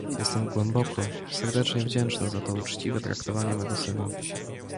"Jestem głęboko, serdecznie wdzięczny za to uczciwe traktowanie mego syna."